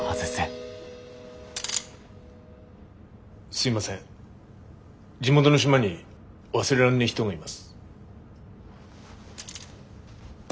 すいません地元の島に忘れらんねえ人がいます。